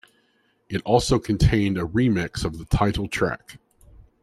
It also contained a remix of the title track.